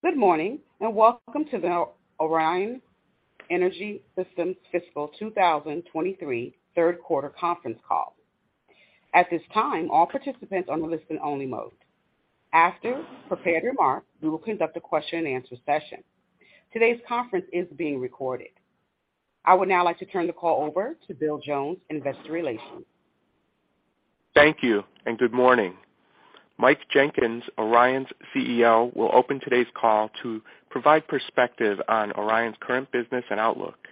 Good morning, welcome to the Orion Energy Systems Fiscal 2023 third quarter conference call. At this time, all participants on the listen-only mode. After prepared remarks, we will conduct a question-and-answer session. Today's conference is being recorded. I would now like to turn the call over to Bill Jones, Investor Relations. Thank you. Good morning. Mike Jenkins, Orion's CEO, will open today's call to provide perspective on Orion's current business and outlook.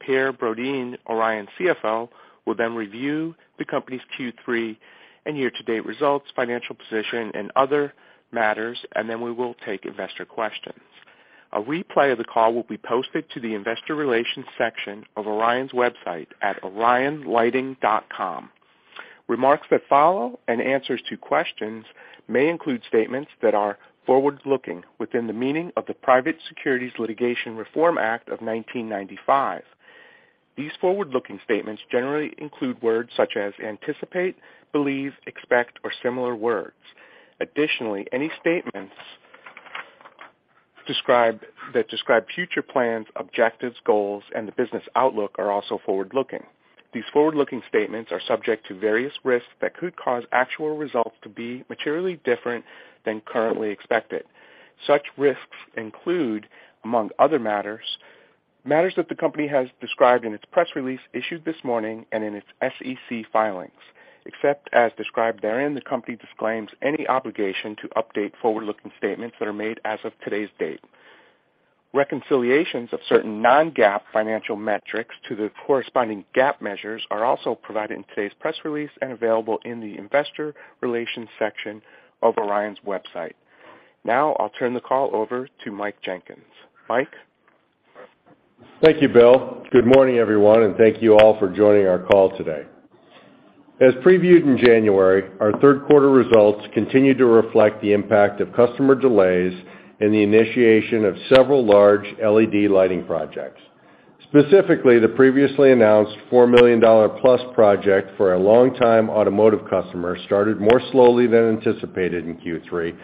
Per Brodin, Orion's CFO, will then review the company's Q3 and year-to-date results, financial position and other matters. We will take investor questions. A replay of the call will be posted to the Investor Relations section of Orion's website at orionlighting.com. Remarks that follow and answers to questions may include statements that are forward-looking within the meaning of the Private Securities Litigation Reform Act of 1995. These forward-looking statements generally include words such as anticipate, believe, expect or similar words. Additionally, any statements that describe future plans, objectives, goals, and the business outlook are also forward-looking. These forward-looking statements are subject to various risks that could cause actual results to be materially different than currently expected. Such risks include, among other matters that the company has described in its press release issued this morning and in its SEC filings. Except as described therein, the company disclaims any obligation to update forward-looking statements that are made as of today's date. Reconciliations of certain non-GAAP financial metrics to the corresponding GAAP measures are also provided in today's press release and available in the investor relations section of Orion's website. I'll turn the call over to Mike Jenkins. Mike. Thank you, Bill. Good morning, everyone, and thank you all for joining our call today. As previewed in January, our third quarter results continued to reflect the impact of customer delays in the initiation of several large LED lighting projects. Specifically, the previously announced $4 million+ project for a long-time automotive customer started more slowly than anticipated in Q3,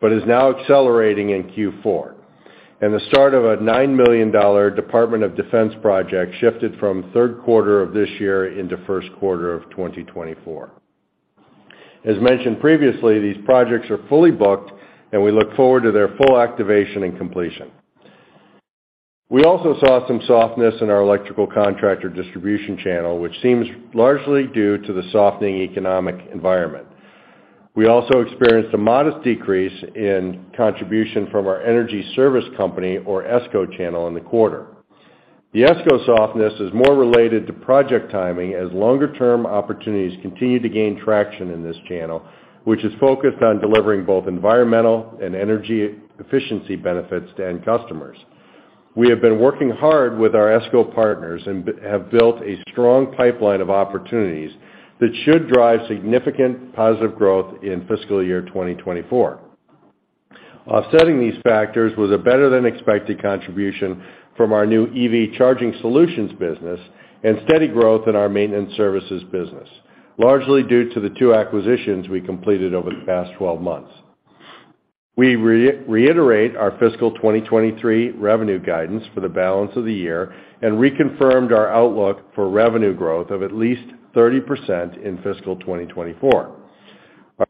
but is now accelerating in Q4, and the start of a $9 million Department of Defense project shifted from third quarter of this year into first quarter of 2024. As mentioned previously, these projects are fully-booked, and we look forward to their full activation and completion. We also saw some softness in our electrical contractor distribution channel, which seems largely due to the softening economic environment. We also experienced a modest decrease in contribution from our energy service company or ESCO channel in the quarter. The ESCO softness is more related to project timing as longer-term opportunities continue to gain traction in this channel, which is focused on delivering both environmental and energy-efficiency benefits to end customers. We have been working hard with our ESCO partners and have built a strong pipeline of opportunities that should drive significant positive growth in fiscal year 2024. Offsetting these factors was a better than expected contribution from our new EV-charging solutions business and steady growth in our maintenance services business, largely due to the two acquisitions we completed over the past 12 months. We reiterate our fiscal-2023 revenue guidance for the balance of the year and reconfirmed our outlook for revenue growth of at least 30% in fiscal-2024.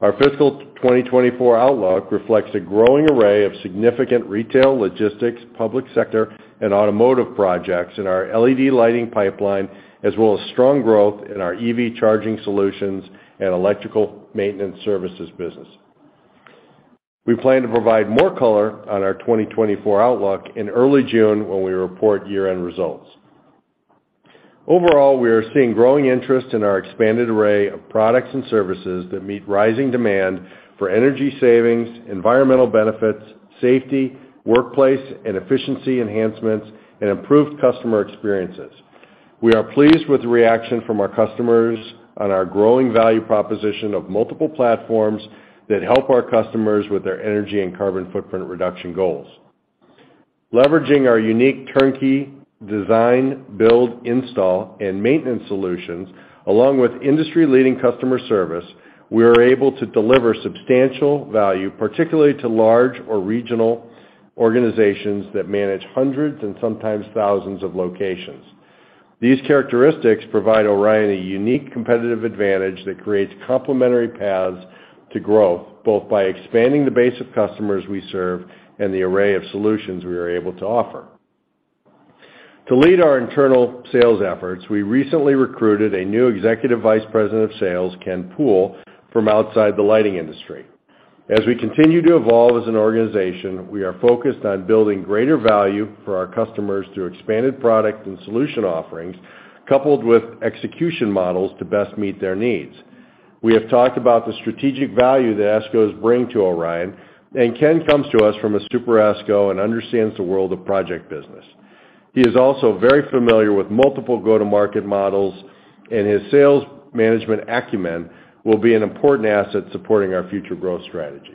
Our fiscal-2024 outlook reflects a growing array of significant retail, logistics, public sector and automotive projects in our LED-lighting pipeline, as well as strong growth in our EV-charging solutions and electrical-maintenance-services business. We plan to provide more color on our 2024 outlook in early June when we report year-end results. Overall, we are seeing growing interest in our expanded array of products and services that meet rising demand for energy savings, environmental benefits, safety, workplace and efficiency enhancements, and improved customer experiences. We are pleased with the reaction from our customers on our growing value proposition of multiple platforms that help our customers with their energy and carbon-footprint reduction goals. Leveraging our unique turnkey design, build, install and maintenance solutions, along with industry-leading customer service, we are able to deliver substantial value, particularly to large or regional organizations that manage hundreds and sometimes thousands of locations. These characteristics provide Orion a unique competitive advantage that creates complementary paths to growth, both by expanding the base of customers we serve and the array of solutions we are able to offer. To lead our internal sales efforts, we recently recruited a new Executive Vice President of Sales, Ken Poole, from outside the lighting industry. As we continue to evolve as an organization, we are focused on building greater value for our customers through expanded product and solution offerings, coupled with execution models to best meet their needs. We have talked about the strategic value that ESCOs bring to Orion, and Ken comes to us from a Super ESCO and understands the world of project business. He is also very familiar with multiple go-to-market models, and his sales management acumen will be an important asset supporting our future growth strategies.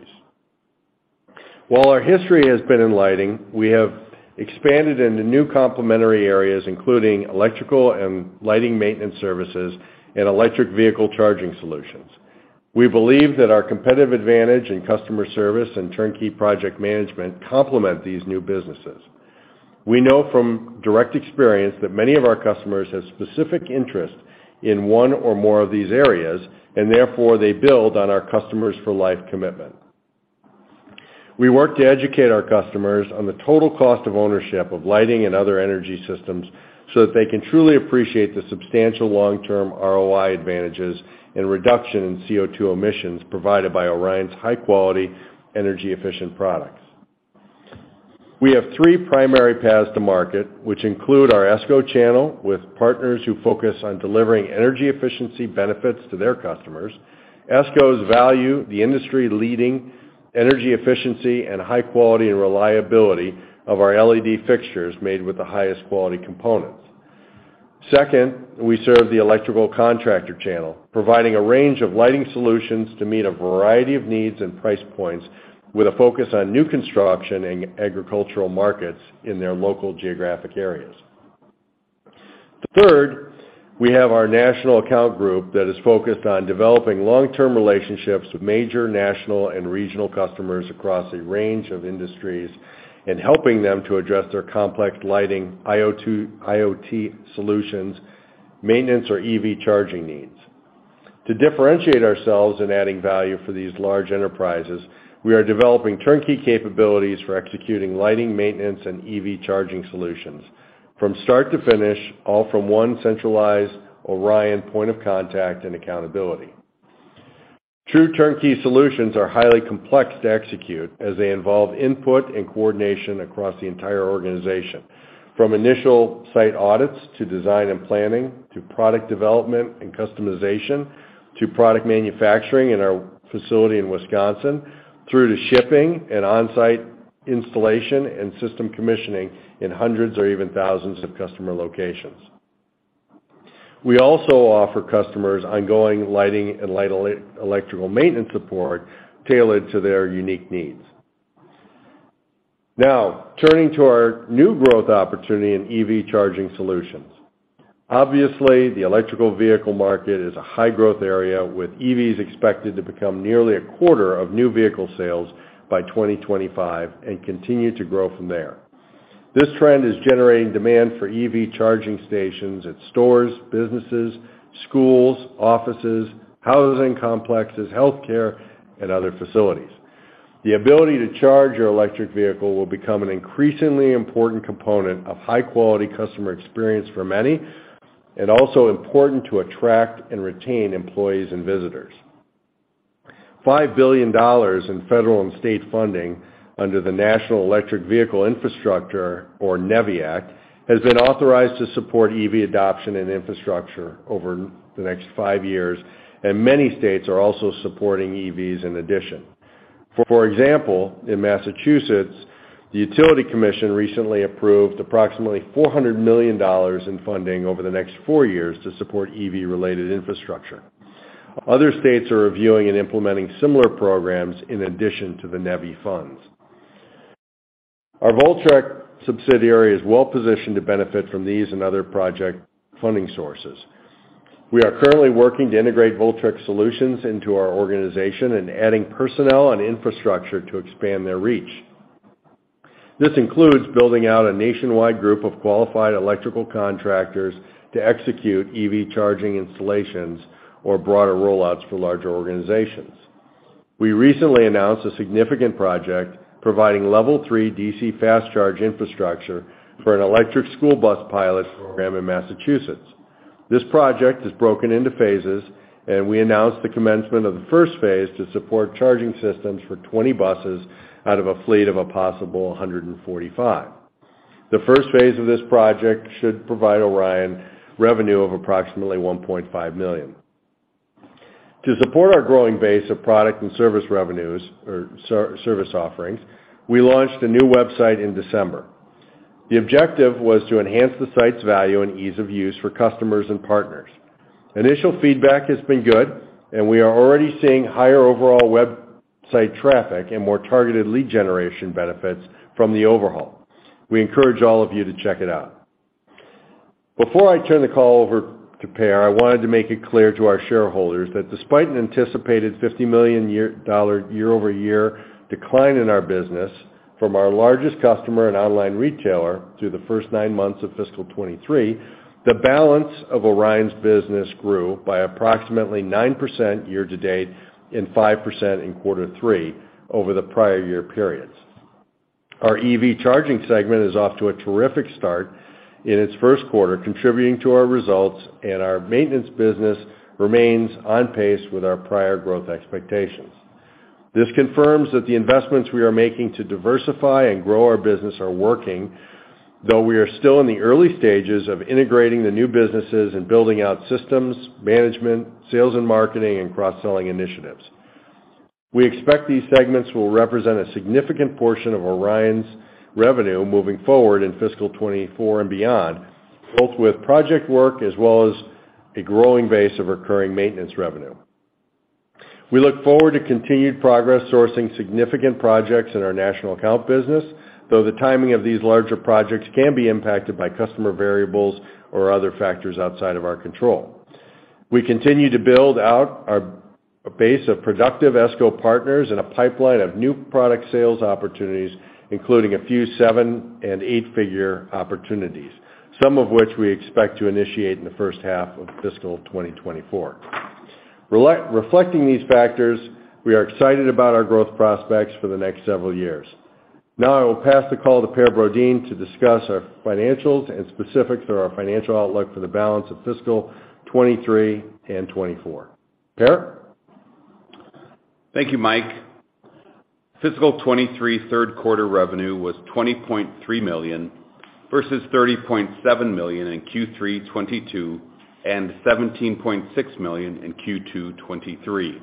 While our history has been in lighting, we have expanded into new complementary areas, including electrical- and lighting-maintenance services and electric-vehicle-charging solutions. We believe that our competitive advantage in customer service and turnkey project management complement these new businesses. We know from direct experience that many of our customers have specific interest in one or more of these areas, and therefore they build on our customers for life commitment. We work to educate our customers on the total cost of ownership of lighting and other energy systems so that they can truly appreciate the substantial long-term ROI advantages and reduction in CO2 emissions provided by Orion's high-quality, energy-efficient products. We have three primary paths to market, which include our ESCO channel with partners who focus on delivering energy efficiency benefits to their customers. ESCOs value the industry-leading energy efficiency and high-quality and reliability of our LED fixtures made with the highest quality components. Second, we serve the electrical contractor channel, providing a range of lighting solutions to meet a variety of needs and price points with a focus on new construction and agricultural markets in their local geographic areas. We have our national account group that is focused on developing long-term relationships with major national and regional customers across a range of industries and helping them to address their complex lighting, IoT solutions, maintenance, or EV-charging needs. To differentiate ourselves in adding value for these large enterprises, we are developing turnkey capabilities for executing lighting-maintenance and EV-charging solutions from start to finish, all from one centralized Orion point of contact and accountability. True turnkey solutions are highly complex to execute as they involve input and coordination across the entire organization, from initial site audits to design and planning to product development and customization to product manufacturing in our facility in Wisconsin through to shipping and on-site installation and system commissioning in hundreds or even thousands of customer locations. We also offer customers ongoing-lighting and light-electrical maintenance support tailored to their unique needs. Turning to our new growth opportunity in EV-charging solutions. The electrical vehicle market is a high-growth area with EVs expected to become nearly a quarter of new vehicle sales by 2025 and continue to grow from there. This trend is generating demand for EV-charging stations at stores, businesses, schools, offices, housing complexes, healthcare, and other facilities. The ability to charge your electric vehicle will become an increasingly important component of high-quality customer experience for many and also important to attract and retain employees and visitors. $5 billion in federal and state funding under the National Electric Vehicle Infrastructure, or NEVI Act, has been authorized to support EV adoption and infrastructure over the next five years, and many states are also supporting EVs in addition. For example, in Massachusetts, the Utility Commission recently approved approximately $400 million in funding over the next four years to support EV-related infrastructure. Other states are reviewing and implementing similar programs in addition to the NEVI funds. Our Voltrek subsidiary is well positioned to benefit from these and other project funding sources. We are currently working to integrate Voltrek solutions into our organization and adding personnel and infrastructure to expand their reach. This includes building out a nationwide group of qualified electrical contractors to execute EV-charging installations or broader-rollouts for larger organizations. We recently announced a significant project providing Level 3 DC fast charge infrastructure for an electric school bus pilot program in Massachusetts. This project is broken into phases, and we announced the commencement of the first phase to support charging systems for 20 buses out of a fleet of a possible 145. The first phase of this project should provide Orion revenue of approximately $1.5 million. To support our growing base of product and service revenues or service offerings, we launched a new website in December. The objective was to enhance the site's value and ease of use for customers and partners. Initial feedback has been good, and we are already seeing higher-overall website traffic and more targeted lead generation benefits from the overhaul. We encourage all of you to check it out. Before I turn the call over to Per, I wanted to make it clear to our shareholders that despite an anticipated $50 million year-over-year decline in our business from our largest customer and online retailer through the first nine months of fiscal 2023, the balance of Orion's business grew by approximately 9% year-to-date and 5% in quarter three over the prior year periods. Our EV-charging segment is off to a terrific start in its first quarter, contributing to our results, and our maintenance business remains on pace with our prior growth expectations. This confirms that the investments we are making to diversify and grow our business are working, though we are still in the early stages of integrating the new businesses and building out systems, management, sales and marketing, and cross-selling initiatives. We expect these segments will represent a significant portion of Orion's revenue moving forward in fiscal 2024 and beyond, both with project work as well as a growing base of recurring maintenance revenue. We look forward to continued progress sourcing significant projects in our national account business, though the timing of these larger projects can be impacted by customer variables or other factors outside of our control. We continue to build out our base of productive ESCO partners and a pipeline of new product sales opportunities, including a few seven- and eight-figure opportunities, some of which we expect to initiate in the first half of fiscal 2024. Reflecting these factors, we are excited about our growth prospects for the next several years. Now I will pass the call to Per Brodin to discuss our financials and specifics of our financial outlook for the balance of fiscal 2023 and 2024. Per? Thank you, Mike. Fiscal 2023 third quarter revenue was $20.3 million, versus $30.7 million in Q3 2022 and $17.6 million in Q2 2023.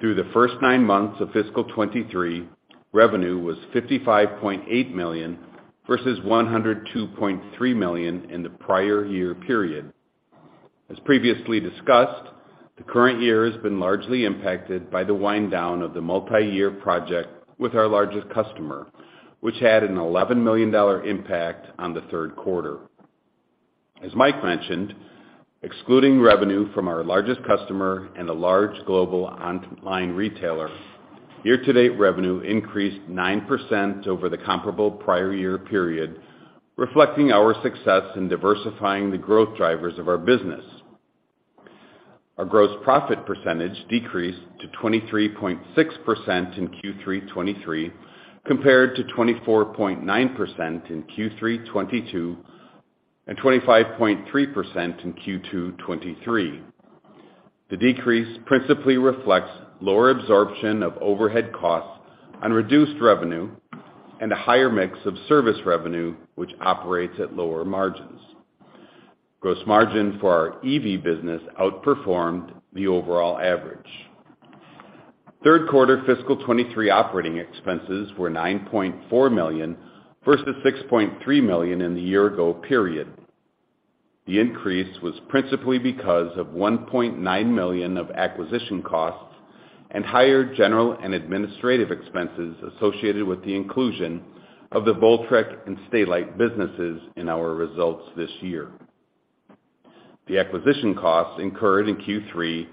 Through the first nine months of fiscal 2023, revenue was $55.8 million, versus $102.3 million in the prior year period. As previously discussed, the current year has been largely impacted by the wind-down of the multiyear project with our largest customer, which had an $11 million impact on the third quarter. As Mike mentioned, excluding revenue from our largest customer and a large global online retailer, year-to-date revenue increased 9% over the comparable prior year period, reflecting our success in diversifying the growth drivers of our business. Our gross profit percentage decreased to 23.6% in Q3 2023, compared to 24.9% in Q3 2022 and 25.3% in Q2 2023. The decrease principally reflects lower absorption of overhead costs on reduced revenue and a higher mix of service revenue, which operates at lower margins. Gross margin for our EV business outperformed the overall average. Third quarter fiscal 2023 operating expenses were $9.4 million versus $6.3 million in the year ago period. The increase was principally because of $1.9 million of acquisition costs and higher general and administrative expenses associated with the inclusion of the Voltrek and Stay-Lite businesses in our results this year. The acquisition costs incurred in Q3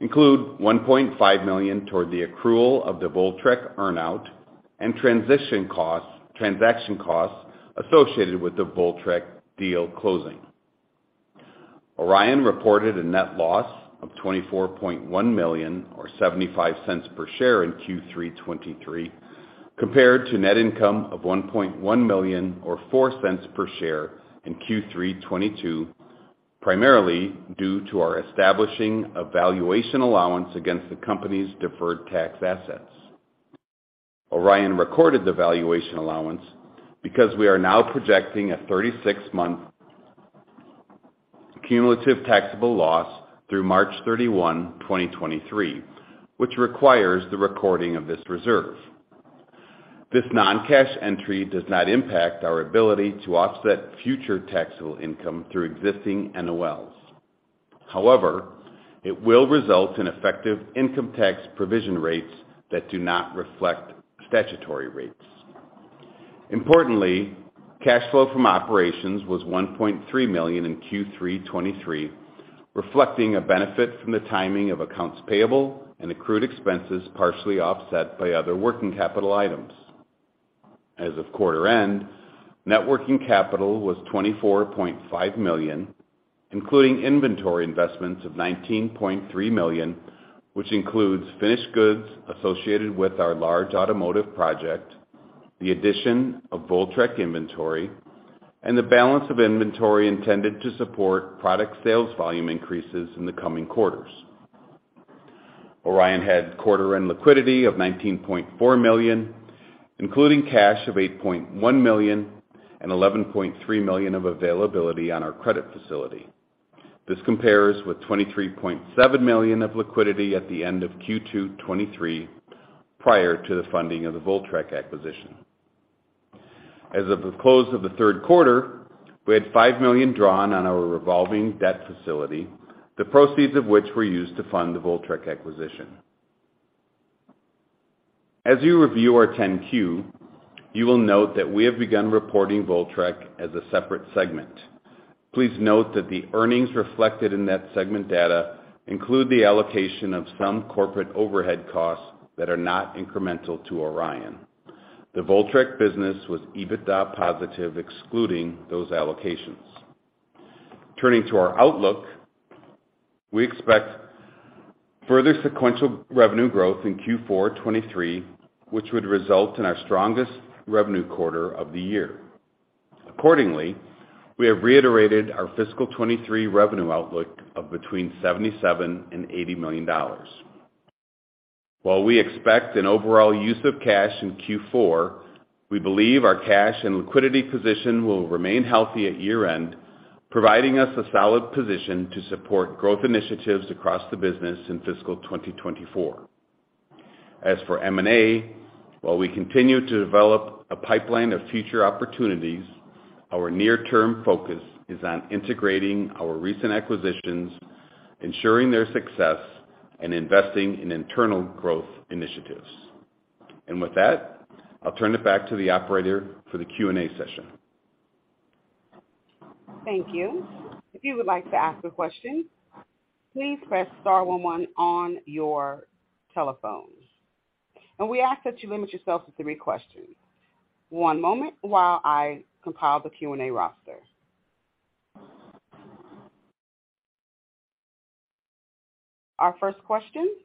include $1.5 million toward the accrual of the Voltrek earn-out and transaction costs associated with the Voltrek deal closing. Orion reported a net loss of $24.1 million or $0.75 per share in Q3 2023, compared to net income of $1.1 million or $0.04 per share in Q3 2022, primarily due to our establishing a valuation allowance against the company's deferred tax assets. Orion recorded the valuation allowance because we are now projecting a 36-month cumulative taxable loss through March 31, 2023, which requires the recording of this reserve. This non-cash entry does not impact our ability to offset future taxable income through existing NOLs. However, it will result in effective income tax provision rates that do not reflect statutory rates. Importantly, cash flow from operations was $1.3 million in Q3 2023, reflecting a benefit from the timing of accounts payable and accrued expenses, partially offset by other working capital items. As of quarter-end, net working capital was $24.5 million, including inventory investments of $19.3 million, which includes finished goods associated with our large automotive project, the addition of Voltrek inventory, and the balance of inventory intended to support product-sales volume increases in the coming quarters. Orion had quarter-end liquidity of $19.4 million, including cash of $8.1 million and $11.3 million of availability on our credit facility. This compares with $23.7 million of liquidity at the end of Q2 2023, prior to the funding of the Voltrek acquisition. As of the close of the third quarter, we had $5 million drawn on our revolving debt facility, the proceeds of which were used to fund the Voltrek acquisition. As you review our 10-Q, you will note that we have begun reporting Voltrek as a separate segment. Please note that the earnings reflected in that segment data include the allocation of some corporate overhead costs that are not incremental to Orion. The Voltrek business was EBITDA positive excluding those allocations. Turning to our outlook, we expect further sequential revenue growth in Q4 2023, which would result in our strongest revenue quarter of the year. Accordingly, we have reiterated our fiscal 2023 revenue outlook of between $77 million and $80 million. While we expect an overall use of cash in Q4, we believe our cash and liquidity position will remain healthy at year-end, providing us a solid position to support growth initiatives across the business in fiscal 2024. As for M&A, while we continue to develop a pipeline of future opportunities, our near-term focus is on integrating our recent acquisitions, ensuring their success, and investing in internal-growth initiatives. With that, I'll turn it back to the operator for the Q&A session. Thank you. If you would like to ask a question, please press star one one on your telephones. We ask that you limit yourself to three questions. One moment while I compile the Q&A roster. Our first question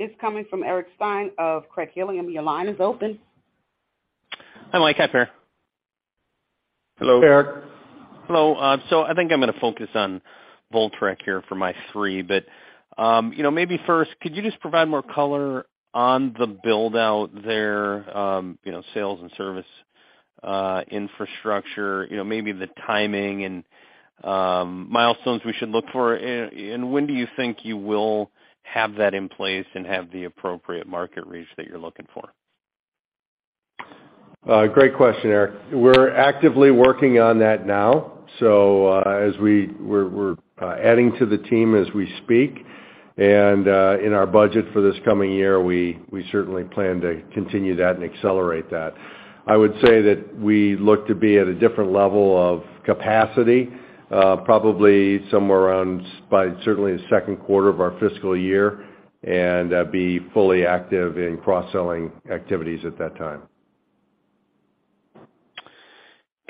is coming from Eric Stine of Craig-Hallum. Your line is open. Hi, Mike, Hi, Per. Hello. Hey, Eric. Hello. I think I'm gonna focus on Voltrek here for my three, but, you know, maybe first, could you just provide more color on the build-out there, you know, sales and service, infrastructure, you know, maybe the timing and milestones we should look for? When do you think you will have that in place and have the appropriate market reach that you're looking for? Great question, Eric. We're actively working on that now, as we're adding to the team as we speak. In our budget for this coming year, we certainly plan to continue that and accelerate that. I would say that we look to be at a different level of capacity, probably somewhere around by certainly the second quarter of our fiscal year, be fully active in cross-selling activities at that time.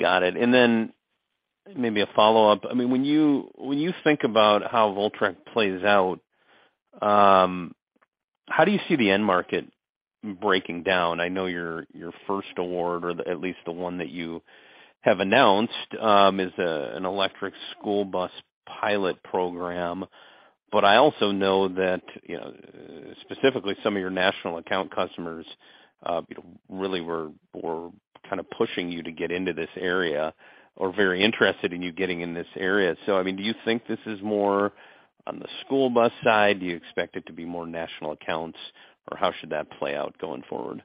Got it. Then maybe a follow-up. I mean, when you, when you think about how Voltrek plays out, how do you see the end-market breaking down? I know your first award or at least the one that you have announced is an Electric School Bus Pilot Program. I also know that, you know, specifically, some of your national account customers really were kind of pushing you to get into this area or very interested in you getting in this area. I mean, do you think this is more on the School Bus side? Do you expect it to be more national accounts? Or how should that play out going forward?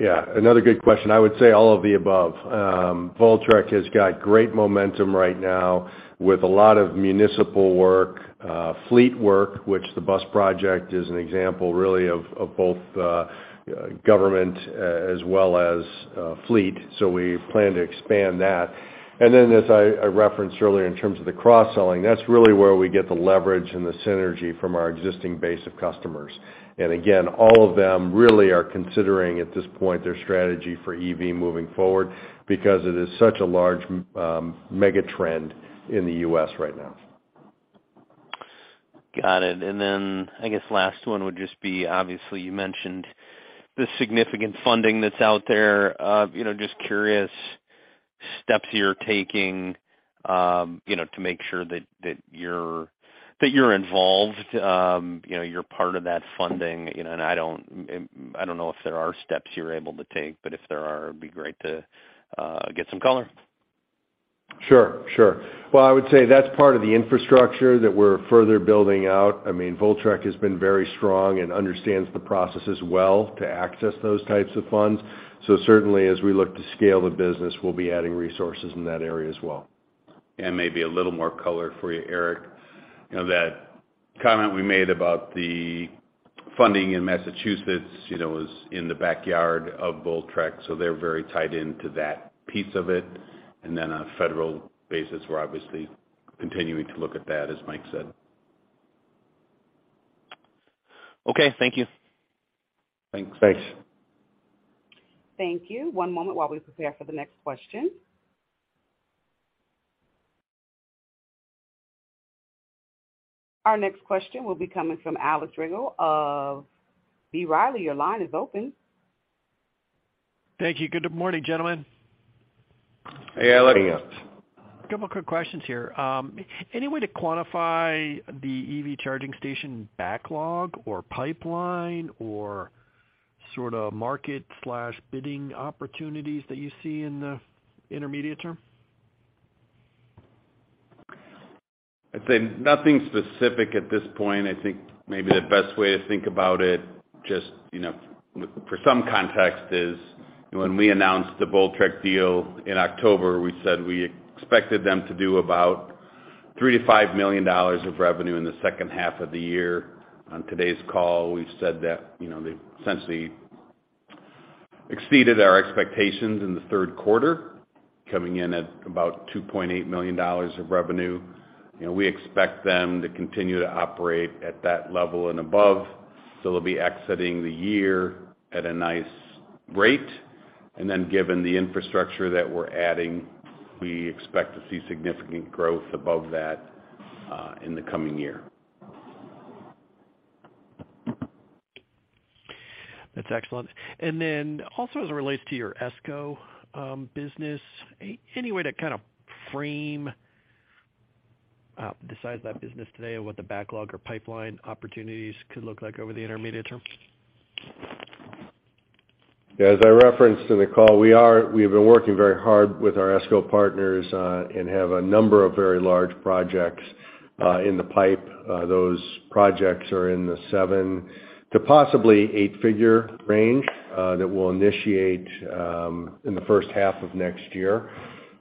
Yeah, another good question. I would say all of the above. Voltrek has got great momentum right now with a lot of municipal work, fleet work, which the bus project is an example really of both, government as well as, fleet. We plan to expand that. As I referenced earlier in terms of the cross-selling, that's really where we get the leverage and the synergy from our existing base of customers. Again, all of them really are considering at this point their strategy for EV moving forward because it is such a large, megatrend in the U.S. right now. Got it. I guess last one would just be, obviously, you mentioned the significant funding that's out there. You know, just curious steps you're taking, you know, to make sure that you're involved, you know, you're part of that funding, you know, and I don't know if there are steps you're able to take, but if there are, it'd be great to get some color? Sure, sure. I would say that's part of the infrastructure that we're further building out. I mean, Voltrek has been very strong and understands the processes well to access those types of funds. Certainly, as we look to scale the business, we'll be adding resources in that area as well. Maybe a little more color for you, Eric. You know, that comment we made about the funding in Massachusetts, you know, was in the backyard of Voltrek, so they're very tied into that piece of it. Then on a federal basis, we're obviously continuing to look at that, as Mike said. Okay, thank you. Thanks. Thanks. Thank you. One moment while we prepare for the next question. Our next question will be coming from Alex Rygiel of B. Riley. Your line is open. Thank you. Good morning, gentlemen. Hey, Alex. Hey, Alex. A couple of quick questions here. Any way to quantify the EV-charging station backlog or pipeline or sort of market/bidding opportunities that you see in the intermediate-term? I'd say nothing specific at this point. I think maybe the best way to think about it, just, you know, for some context, is when we announced the Voltrek deal in October, we said we expected them to do about $3 million-$5 million of revenue in the second half of the year. On today's call, we've said that, you know, they've essentially exceeded our expectations in the third quarter, coming in at about $2.8 million of revenue. You know, we expect them to continue to operate at that level and above. They'll be exiting the year at a nice rate. Given the infrastructure that we're adding, we expect to see significant growth above that in the coming year. That's excellent. Also as it relates to your ESCO business, any way to kind of frame the size of that business today or what the backlog or pipeline opportunities could look like over the intermediate-term? As I referenced in the call, we have been working very hard with our ESCO partners and have a number of very large projects in the pipe. Those projects are in the seven- to possibly eight-figure range that will initiate in the first half of next year.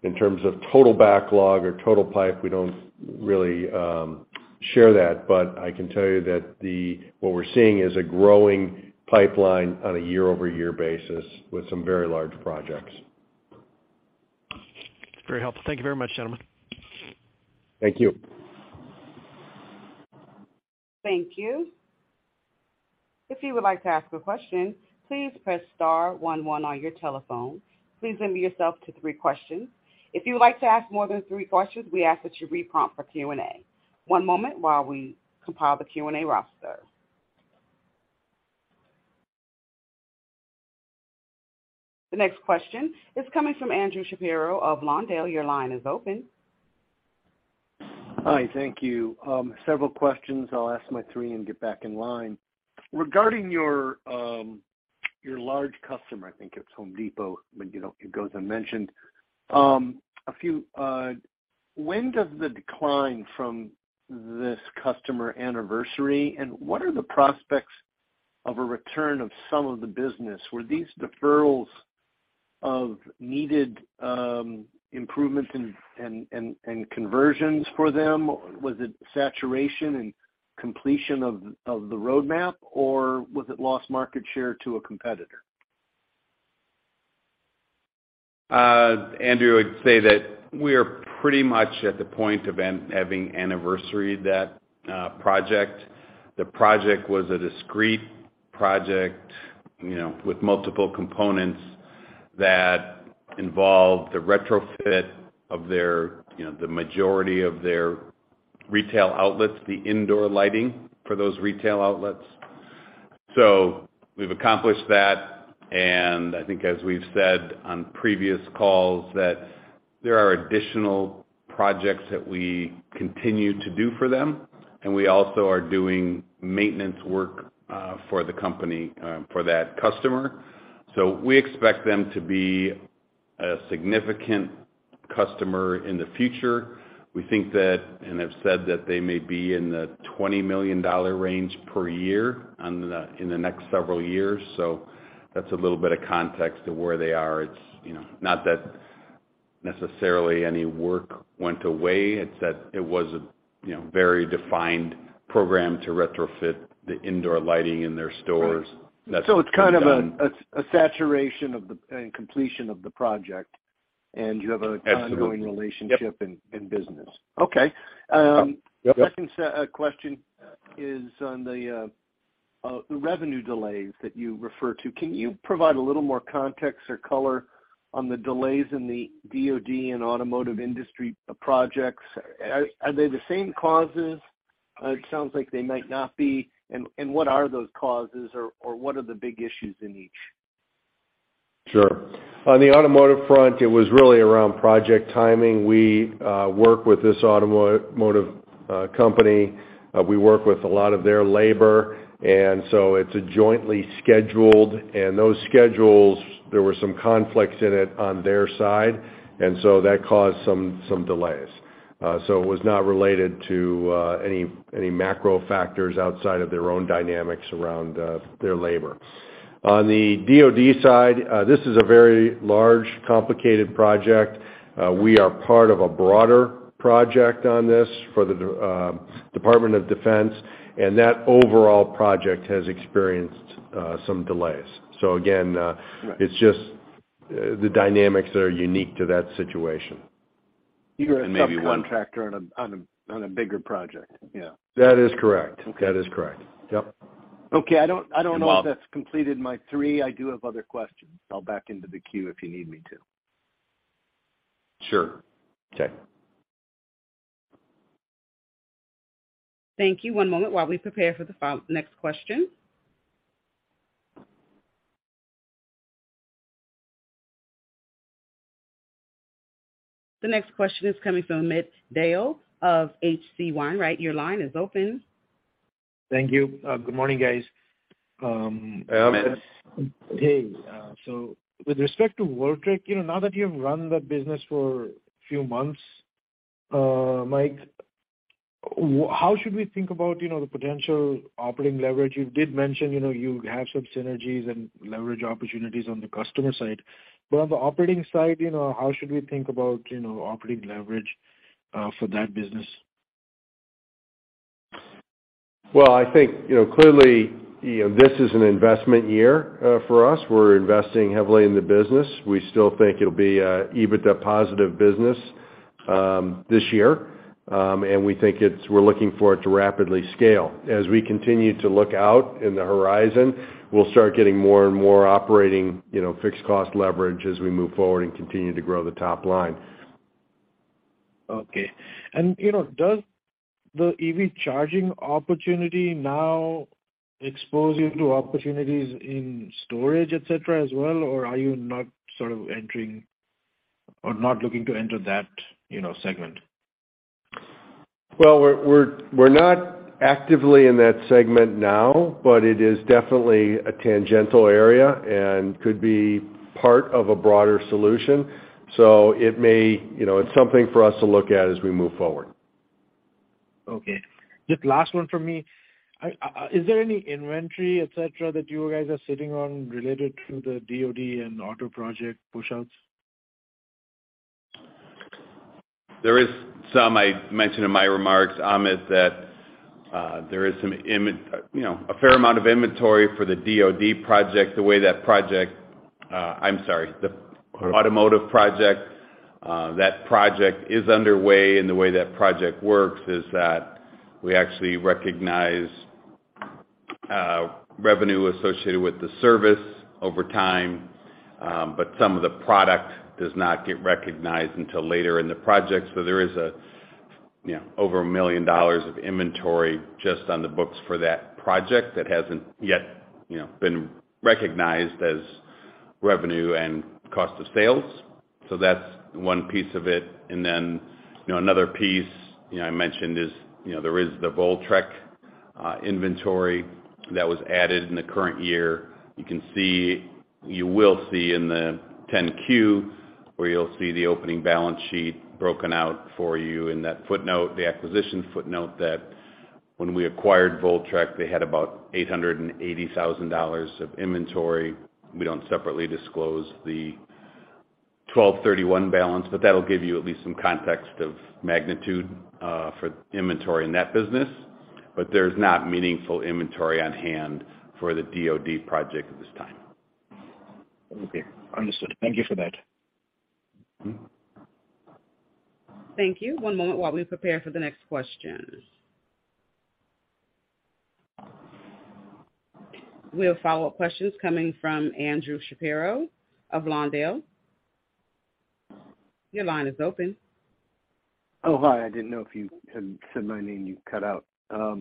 In terms of total backlog or total pipe, we don't really share that, but I can tell you that what we're seeing is a growing pipeline on a year-over-year basis with some very large projects. Very helpful. Thank you very much, gentlemen. Thank you. Thank you. If you would like to ask a question, please press star one one on your telephone. Please limit yourself to three questions. If you would like to ask more than three questions, we ask that you re-prompt for Q&A. One moment while we compile the Q&A roster. The next question is coming from Andrew Shapiro of Lawndale. Your line is open. Hi. Thank you. Several questions. I'll ask my three and get back in line. Regarding your large customer, I think it's Home Depot, but, you know, it goes unmentioned. When does the decline from this customer anniversary, and what are the prospects of a return of some of the business? Were these deferrals of needed improvements and conversions for them? Was it saturation and completion of the roadmap, or was it lost market share to a competitor? Andrew, I'd say that we are pretty much at the point of an-having anniversaried that project. The project was a discrete project, you know, with multiple components that involved the retrofit of their, you know, the majority of their retail outlets, the indoor lighting for those retail outlets. We've accomplished that, and I think as we've said on previous calls that there are additional projects that we continue to do for them, and we also are doing maintenance work for the company, for that customer. We expect them to be a significant customer in the future. We think that, and have said that they may be in the $20 million-range per year in the next several years. That's a little bit of context to where they are. It's, you know, not that necessarily any work went away, it's that it was a, you know, very defined program to retrofit the indoor lighting in their stores. Right. That's been done. It's kind of a saturation of and completion of the project. Absolutely. ongoing relationship Yep. Business. Okay. Yep. Second question is on the revenue delays that you refer to. Can you provide a little more context or color on the delays in the DoD and automotive industry projects? Are they the same causes? It sounds like they might not be. What are those causes or what are the big issues in each? Sure. On the automotive front, it was really around project timing. We work with this automotive company. We work with a lot of their labor, and so it's a jointly scheduled, and those schedules, there were some conflicts in it on their side, and so that caused some delays. It was not related to any macro factors outside of their own dynamics around their labor. On the DoD side, this is a very large, complicated project. We are part of a broader project on this for the Department of Defense, and that overall project has experienced some delays. Again, Right. It's just, the dynamics that are unique to that situation. You're a subcontractor on a, on a, on a bigger project, yeah. That is correct. Okay. That is correct. Yep. Okay. I don't know if that's completed my three. I do have other questions. I'll back into the queue if you need me to. Sure. Okay. Thank you. One moment while we prepare for the next question. The next question is coming from Amit Dayal of H.C. Wainwright. Your line is open. Thank you. Good morning, guys. Hey, Amit. Hey. With respect to Voltrek, you know, now that you've run that business for a few months, Mike, how should we think about, you know, the potential operating leverage? You did mention, you know, you have some synergies and leverage opportunities on the customer side. On the operating side, you know, how should we think about, you know, operating leverage for that business? Well, I think, you know, clearly, you know, this is an investment year for us. We're investing heavily in the business. We still think it'll be a EBITDA positive business this year. We think we're looking for it to rapidly scale. As we continue to look out in the horizon, we'll start getting more and more operating, you know, fixed cost leverage as we move forward and continue to grow the top line. Okay. You know, does the EV-charging opportunity now expose you to opportunities in storage, et cetera, as well? Or are you not sort of entering or not looking to enter that, you know, segment? We're not actively in that segment now. It is definitely a tangential area and could be part of a broader solution. It may, you know, it's something for us to look at as we move forward. Just last one from me. I, is there any inventory, et cetera, that you guys are sitting on related to the DoD and auto project pushouts? There is some I mentioned in my remarks, Amit, that there is a fair amount of inventory for the DoD project, the way that project, I'm sorry, the automotive project, that project is underway. The way that project works is that we actually recognize revenue associated with the service over time, but some of the product does not get recognized until later in the project. There is over $1 million of inventory just on the books for that project that hasn't yet been recognized as revenue and cost of sales. That's one piece of it. Another piece I mentioned is there is the Voltrek inventory that was added in the current year. You will see in the 10-Q where you'll see the opening balance sheet broken out for you in that footnote, the acquisition footnote, that when we acquired Voltrek, they had about $880,000 of inventory. We don't separately disclose the 12/31 balance, but that'll give you at least some context of magnitude for inventory in that business. There's not meaningful inventory on hand for the DoD project at this time. Okay. Understood. Thank you for that. Thank you. One moment while we prepare for the next question. We have follow-up questions coming from Andrew Shapiro of Lawndale. Your line is open. Oh, hi. I didn't know if you had said my name. You cut out. A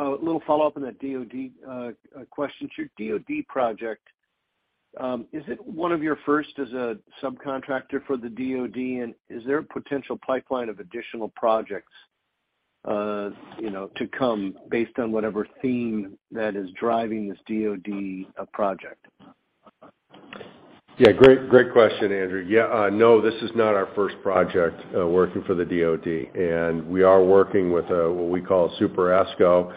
little follow-up on that DoD question. Your DoD project, is it one of your first as a subcontractor for the DoD? Is there a potential pipeline of additional projects, you know, to come based on whatever theme that is driving this DoD project? Great, great question, Andrew. Yeah. No, this is not our first project, working for the DoD, and we are working with, what we call a Super ESCO,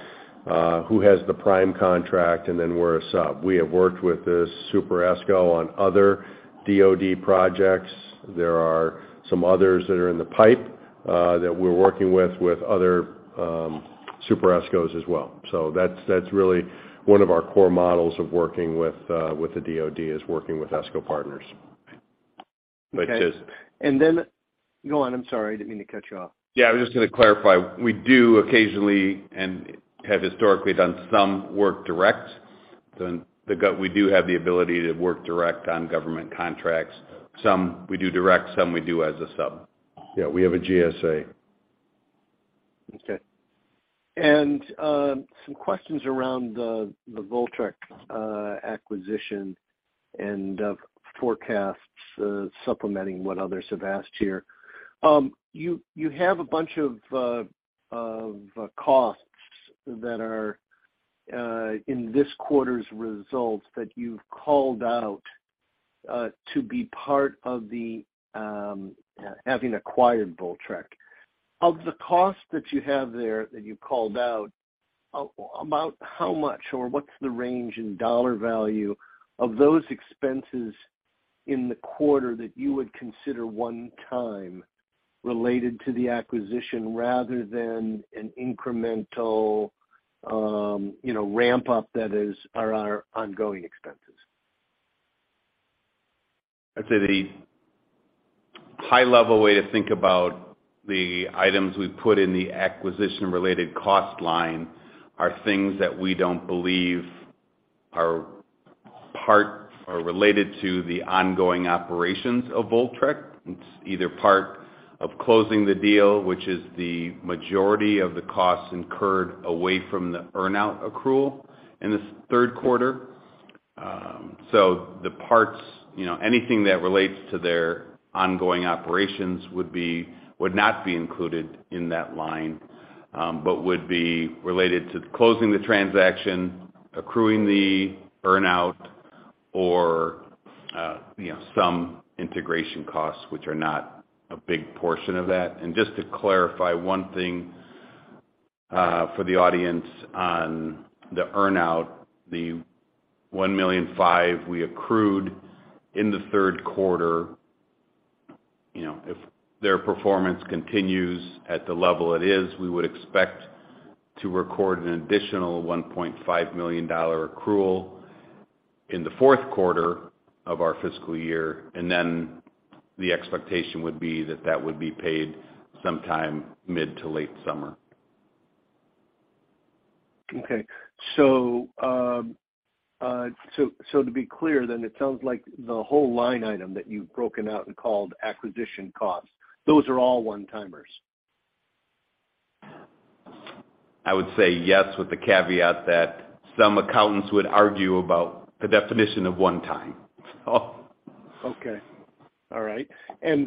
who has the prime contract, and then we're a sub. We have worked with this Super ESCO on other DoD projects. There are some others that are in the pipe, that we're working with other, Super ESCOs as well. That's really one of our core models of working with the DoD, is working with ESCO partners. Which is... Okay. Go on. I'm sorry. I didn't mean to cut you off. Yeah, I was just gonna clarify. We do occasionally and have historically done some work direct. We do have the ability to work direct on government contracts. Some we do direct, some we do as a sub. Yeah, we have a GSA. Okay. Some questions around the Voltrek acquisition and of forecasts, supplementing what others have asked here. You have a bunch of costs that are in this quarter's results that you've called out to be part of the having acquired Voltrek. Of the cost that you have there that you called out, about how much or what's the range in dollar value of those expenses in the quarter that you would consider one-time related to the acquisition rather than an incremental, you know, ramp-up that are our ongoing expenses? I'd say the high-level way to think about the items we put in the acquisition-related cost line are things that we don't believe are part or related to the ongoing operations of Voltrek. It's either part of closing the deal, which is the majority of the costs incurred away from the earn-out accrual in this third quarter. So the parts, you know, anything that relates to their ongoing operations would not be included in that line, but would be related to closing the transaction, accruing the earn-out or, you know, some integration costs, which are not a big portion of that. Just to clarify one thing, for the audience on the earn-out, the $1.5 million we accrued in the third quarter. You know, if their performance continues at the level it is, we would expect to record an additional $1.5 million accrual in the fourth quarter of our fiscal year. Then the expectation would be that that would be paid sometime mid-to-late summer. Okay. To be clear then, it sounds like the whole line item that you've broken out and called acquisition costs, those are all one-timers. I would say yes with the caveat that some accountants would argue about the definition of one-time. Okay. All right. On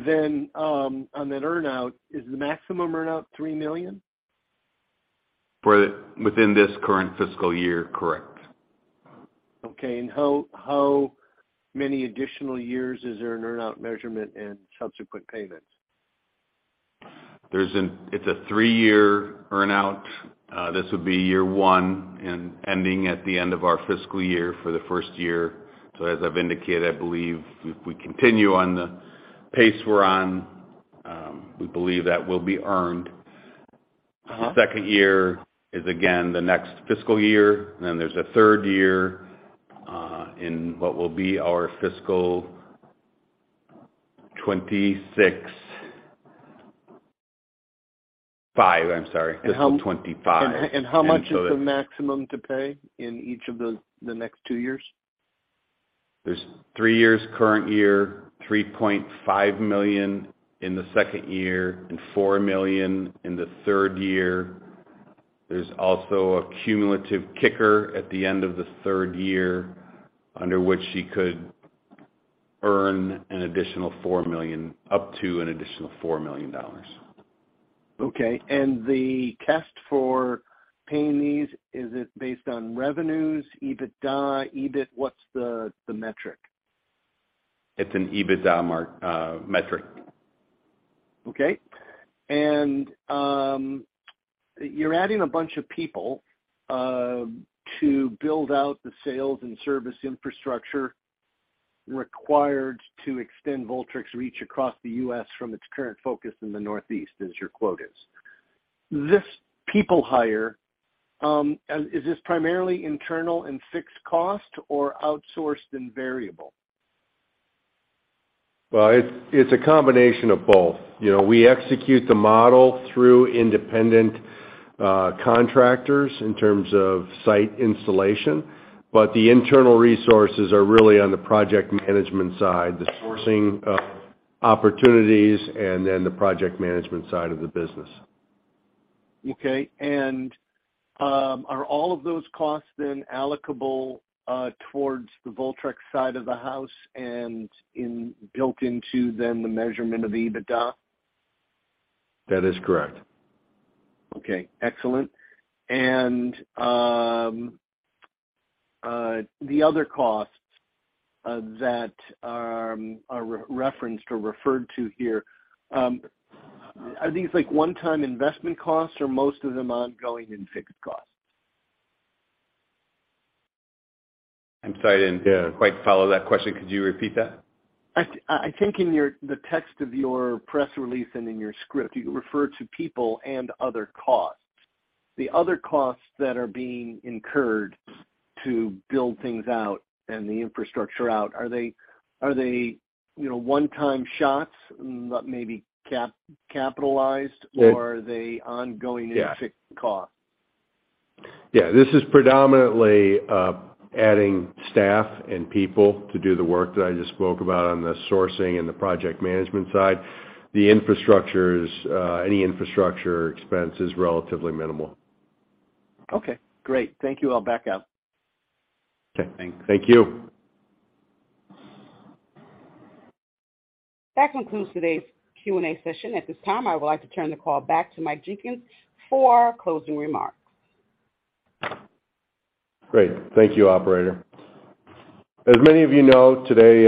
that earn-out, is the maximum earn-out $3 million? Within this current fiscal year, correct. Okay. How many additional years is there an earn-out measurement and subsequent payments? It's a three-year earn-out. This would be year one and ending at the end of our fiscal year for the 1st year. As I've indicated, I believe if we continue on the pace we're on, we believe that will be earned. Uh-huh. The second year is, again, the next fiscal year, and then there's a third year, in what will be our fiscal 2026. I'm sorry. Fiscal 2025. How, and how much is the maximum to pay in each of those, the next two years? There's three years current year, $3.5 million in the second year, and $4 million in the third year. There's also a cumulative kicker at the end of the third year, under which you could earn an additional $4 million, up to an additional $4 million. Okay. The test for paying these, is it based on revenues, EBITDA, EBIT? What's the metric? It's an EBITDA metric. Okay. You're adding a bunch of people to build out the sales and service infrastructure required to extend Voltrek reach across the U.S. from its current focus in the Northeast, as your quote is. This people hire, is this primarily internal and fixed cost or outsourced and variable? Well, it's a combination of both. You know, we execute the model through independent contractors in terms of site installation, but the internal resources are really on the project management side, the sourcing of opportunities and then the project management side of the business. Okay. Are all of those costs then allocable towards the Voltrek side of the house and built into then the measurement of the EBITDA? That is correct. Okay, excellent. The other costs, that are referred to here, are these like one-time investment costs or most of them ongoing and fixed costs? I'm sorry, I didn't quite follow that question. Could you repeat that? I think in the text of your press release and in your script, you refer to people and other costs. The other costs that are being incurred to build things out and the infrastructure out, are they, you know, one-time shots maybe capitalized, or are they ongoing and fixed costs? Yeah. This is predominantly adding staff and people to do the work that I just spoke about on the sourcing and the project management side. The infrastructures, any infrastructure expense is relatively minimal. Okay, great. Thank you. I'll back out. Okay, thank you. That concludes today's Q&A session. At this time, I would like to turn the call back to Mike Jenkins for closing remarks. Great. Thank you, operator. As many of you know, today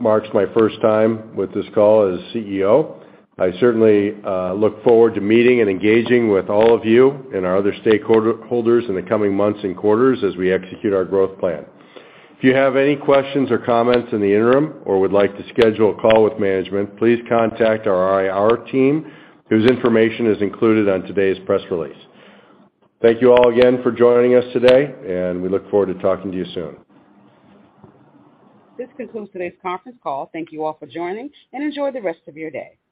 marks my first time with this call as CEO. I certainly look forward to meeting and engaging with all of you and our other stakeholders in the coming months and quarters as we execute our growth plan. If you have any questions or comments in the interim or would like to schedule a call with management, please contact our IR team, whose information is included on today's press release. Thank you all again for joining us today, and we look forward to talking to you soon. This concludes today's conference call. Thank you all for joining, and enjoy the rest of your day.